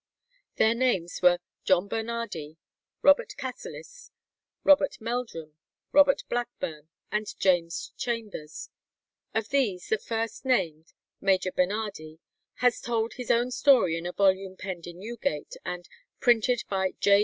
Their names were John Bernardi, Robert Cassilis, Robert Meldrum, Robert Blackburne, and James Chambers. Of these, the first named, Major Bernardi, has told his own story in a volume penned in Newgate, and "printed by J.